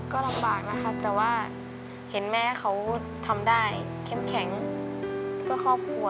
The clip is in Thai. ก็ลำบากนะครับแต่ว่าเห็นแม่เขาทำได้เข้มแข็งเพื่อครอบครัว